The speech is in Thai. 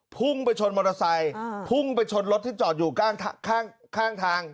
พุ่งไปชนมอเตอร์ไซค์พุ่งไปชนรถที่จอดอยู่ข้างทาง